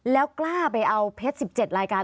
แล้วกล้าไปเอาเพชร๑๗รายการ